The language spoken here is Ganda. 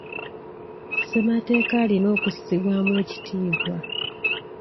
Ssemateeka alina okussibwamu ekitiibwa.